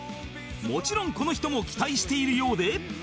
もちろんこの人も期待しているようで